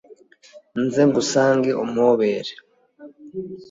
nze ngusange umpobere